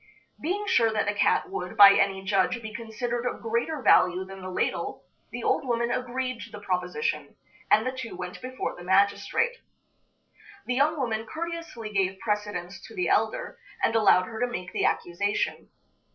Being sure that the cat would, by any judge, be considered of greater value than the ladle, the old woman agreed to the proposition, and the two went before the magistrate. The young woman courteously gave precedence to the elder, and allowed her to make the accusation.